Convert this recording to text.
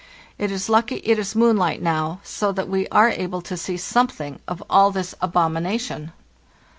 It is lucky it is moonlight now, so that we are able to see something of all this abomination.